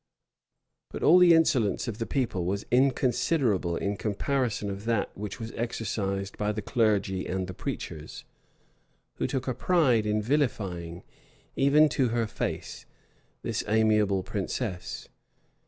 But all the insolence of the people was inconsiderable in comparison of that which was exercised by the clergy and the preachers, who took a pride in vilifying, even to her face, this amiable princess.